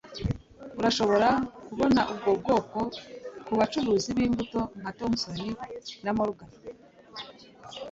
Urashobora kubona ubwo bwoko kubacuruzi b'imbuto nka Thompson na Morgan